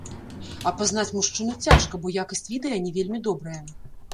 Апазнаць мужчыну цяжка, бо якасць відэа не вельмі добрая.